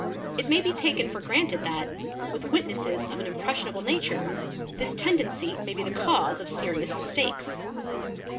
It may be taken for granted that, with witnesses of an impressionable nature, this tendency may be the cause of serious mistakes.